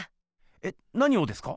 えっなにをですか？